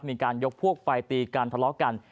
มีการยกพวกไฟตีกันทะเลาะกัน